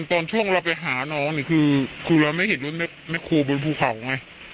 ตอนช่วงเราไปหาน้องเนี่ยคือครูเราไม่เห็นรถแม่ครูบนภูเขาไง